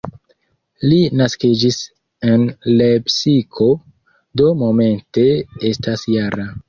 Li naskiĝis en Lepsiko, do momente estas -jara.